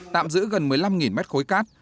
tạm giữ gần một mươi năm mét khối cát